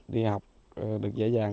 đi học được dễ dàng